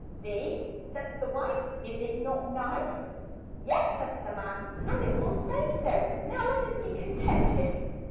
"See," said the wife, "is it not nice?" "Yes," said the man, "and it will stay so; now let us be con tent ed.